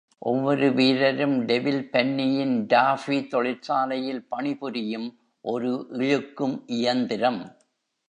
ஒவ்வொரு வீரரும் டெவில் பன்னியின் டாஃபி தொழிற்சாலையில் பணிபுரியும் ஒரு இழுக்கும் இயந்திரம்.